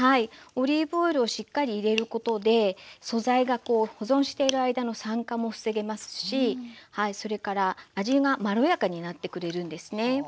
オリーブオイルをしっかり入れることで素材が保存している間の酸化も防げますしそれから味がまろやかになってくれるんですね。